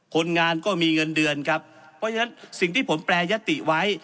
คนงานก็มีเงินเดือนครับเพราะฉะนั้นสิ่งที่ผมแปรยติไว้